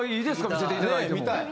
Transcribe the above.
見せていただいても。